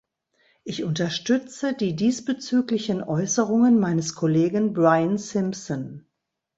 Ich unterstütze die diesbezüglichen Äußerungen meines Kollegen Brian Simpson.